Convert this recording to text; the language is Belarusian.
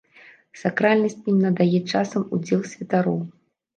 Сакральнасць ім надае часам удзел святароў.